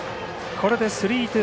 これでスリーツー。